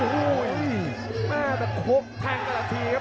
โฮ้ฮือน่าเป็นโค๊กแตกและแรดทีครับ